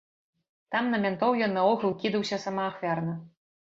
Там на мянтоў ён наогул кідаўся самаахвярна.